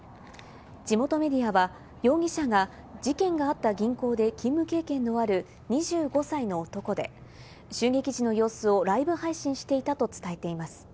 地元メディアは容疑者が事件があった銀行で勤務経験のある２５歳の男で、襲撃時の様子をライブ配信していたと伝えています。